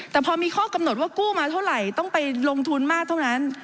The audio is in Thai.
แต่พอมีข้อกำหนดว่ากู้มาเท่าไหร่ต้องไปลงทุนมากเท่านั้น